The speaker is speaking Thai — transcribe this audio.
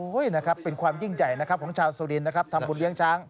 นะครับเป็นความยิ่งใหญ่นะครับของชาวสุรินนะครับทำบุญเลี้ยงช้าง